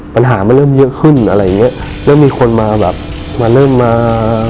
ปัญหามันเริ่มเยอะขึ้นอะไรอย่างเงี้ยเริ่มมีคนมาแบบมาเริ่มมา